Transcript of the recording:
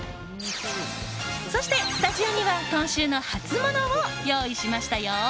そして、スタジオには今週のハツモノを用意しましたよ。